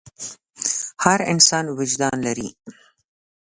هر انسان وجدان لري.